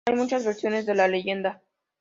Hay muchas versiones de la leyenda.